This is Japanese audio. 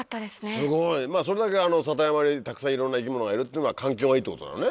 すごい！それだけ里山にたくさんいろんな生き物がいるっていうのは環境がいいってことだからね。